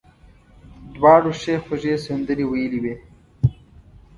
دواړو ښې خوږې سندرې ویلې وې.